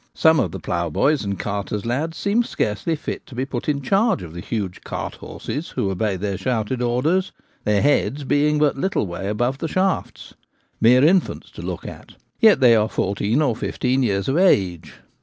Some of the ploughboys and carters' lads seem scarcely fit to be put in charge of the huge cart horses who obey their shouted orders, their heads being but a little way above the shafts — mere infants to look at. Yet they 30 TJte Gamekeeper at Home. are fourteen or fifteen years of age.